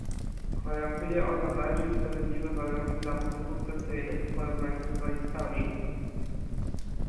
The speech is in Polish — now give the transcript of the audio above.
Gwarantuje ona bardziej sprawiedliwe warunki dla muzyków sesyjnych w porównaniu z solistami